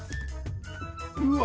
うわ！